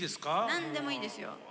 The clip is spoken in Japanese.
何でもいいですよ。